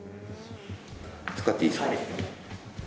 使っていいですか？